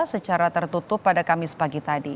secara tertutup pada kamis pagi tadi